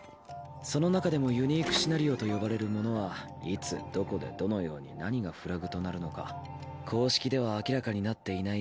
その中でもユニークシナリオと呼ばれるものはいつどこでどのように何がフラグとなるのか公式では明らかになっていない